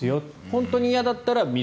本当に嫌だったら水。